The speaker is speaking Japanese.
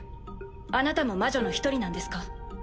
あなたも魔女の一人なんですか？